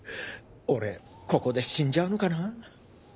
俺ここで死んじゃうのかな